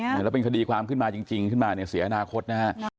แล้วเป็นคดีความขึ้นมาจริงขึ้นมาเนี่ยเสียอนาคตนะฮะ